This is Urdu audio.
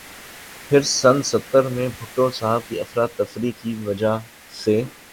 پھر سن ستر میں بھٹو صاھب کی افراتفریح کی وجہ سے